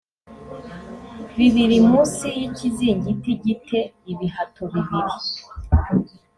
bibiri munsi y ikizingiti gi te ibihato bibiri